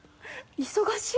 忙しい。